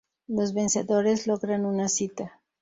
Los vencedores logran una cita.